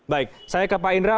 baik saya ke pak indra